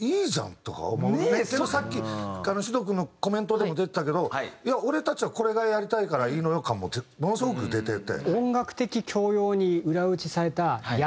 さっきｓｙｕｄｏｕ君のコメントでも出てたけど俺たちはこれがやりたいからいいのよ感もものすごく出てて。